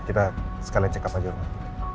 kita sekalian cek apa aja rumah